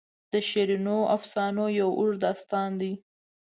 د شیرینو افسانو یو اوږد داستان دی.